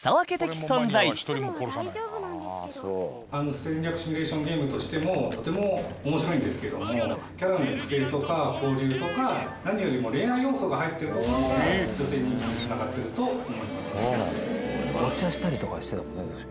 秋月：戦略シミュレーションゲームとしてもとても面白いんですけどもキャラの育成とか交流とか何よりも恋愛要素が入ってるところが女性人気につながってると思います。